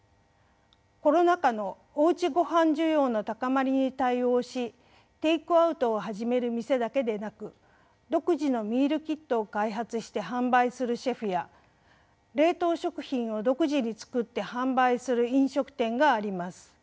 コロナ禍のおうちごはん需要の高まりに対応しテイクアウトを始める店だけでなく独自のミールキットを開発して販売するシェフや冷凍食品を独自に作って販売する飲食店があります。